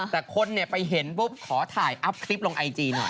แต่คนไปเห็นปุ๊บขอถ่ายอัพคลิปลงไอจีหน่อย